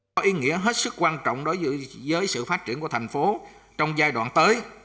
có ý nghĩa hết sức quan trọng đối với sự phát triển của thành phố trong giai đoạn tới